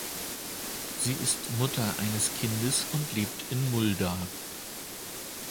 Sie ist Mutter eines Kindes und lebt in Mulda.